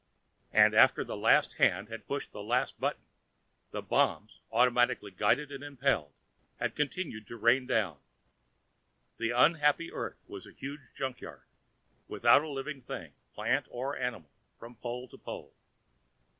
And after the last hand had pushed the last button, the bombs, automatically guided and impelled, had continued to rain down. The unhappy Earth was a huge junkyard, without a living thing, plant or animal, from pole to pole.